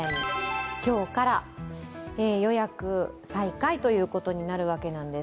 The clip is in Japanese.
今日から予約再開ということになるわけなんです。